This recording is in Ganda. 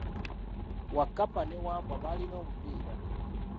Wakkapa ne Wambwa balina omupiira.